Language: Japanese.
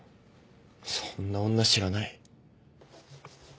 そんな女知らない。